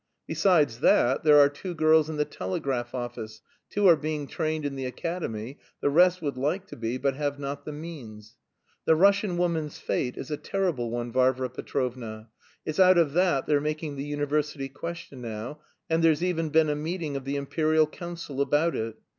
Besides that, there are two girls in the telegraph office, two are being trained in the academy, the rest would like to be but have not the means. The Russian woman's fate is a terrible one, Varvara Petrovna! It's out of that they're making the university question now, and there's even been a meeting of the Imperial Council about it.